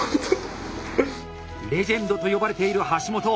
レジェンドと呼ばれている橋本。